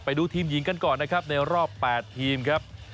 ไปดูทีมหญิงกันก่อนนะครับในรอบ๘ทีมครับ